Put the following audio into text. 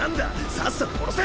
⁉さっさと殺せ！